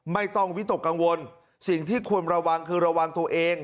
ไม่ต้องวิตกกังวลสิ่งที่ควรระวังคือระวังตัวเอง